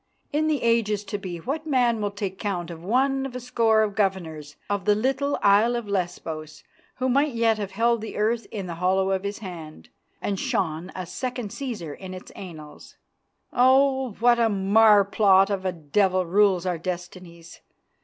In the ages to be what man will take count of one of a score of governors of the little Isle of Lesbos, who might yet have held the earth in the hollow of his hand and shone a second Cæsar in its annals? Oh! what marplot of a devil rules our destinies?